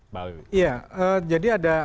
mbak wewi ya jadi ada